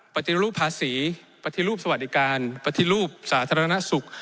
ปฏิรูปภาษีปฏิรูปสวัสดิการปฏิรูปสาธารณสุข